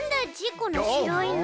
このしろいの。